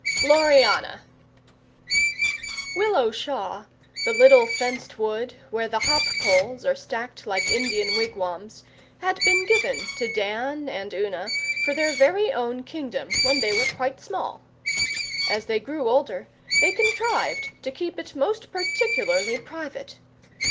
Gloriana Willow Shaw, the little fenced wood where the hop poles are stacked like Indian wigwams, had been given to Dan and Una for their very own kingdom when they were quite small. As they grew older, they contrived to keep it most particularly private.